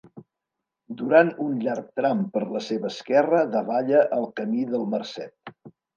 Durant un llarg tram per la seva esquerra davalla el Camí del Marcet.